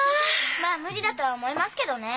まあ無理だとは思いますけどね。